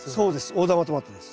大玉トマトです。